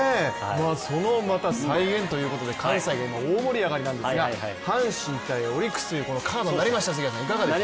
そのまた再現ということで関西は今、大盛り上がりなんですが阪神×オリックスというカードになりました、いかがですか。